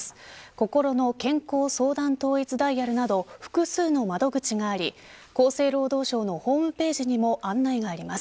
こころの健康相談統一ダイヤルなど複数の窓口があり、厚生労働省のホームページにも案内があります。